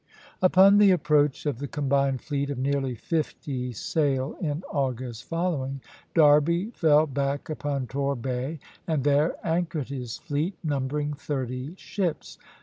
Upon the approach of the combined fleet of nearly fifty sail in August following, Derby fell back upon Torbay and there anchored his fleet, numbering thirty ships.